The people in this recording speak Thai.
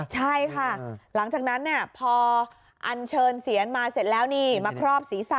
ใช่ค่ะหลังจากนั้นพออันเชิญเสียนมาเสร็จแล้วนี่มาครอบศีรษะ